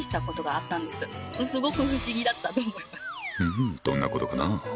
うんどんなことかな？